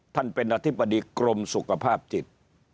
ท่านเป็นอธิบดีกรมสุขภาพจิต